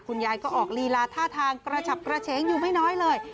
คุณยายก็ออกลีลาท่าทางกระฉับกระเฉงอยู่ไม่น้อยเลย